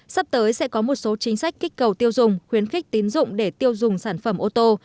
sắp tới sẽ có một số chính sách kích cầu tiêu dùng khuyến khích tín dụng để tiêu dùng sản phẩm ô tô